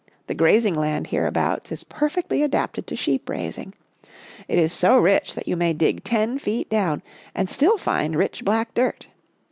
The grazing land hereabouts is perfectly adapted to sheep 1 Black women. A Drive 25 raising. It is so rich that you may dig ten feet down and still find rich black dirt.